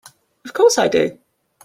Of course I do!